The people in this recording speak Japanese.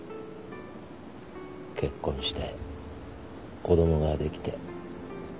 結婚して子供ができて。